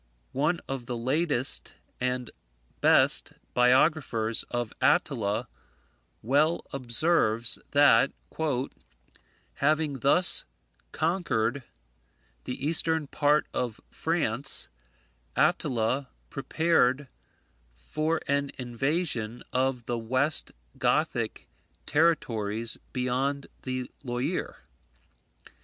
One of the latest and best biographers of Attila well observes, that, "having thus conquered the eastern part of France, Attila prepared for an invasion of the West Gothic territories beyond the Loire.